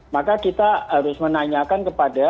maka kita harus menanyakan kepada